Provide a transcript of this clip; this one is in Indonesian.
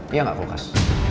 iya gak kokas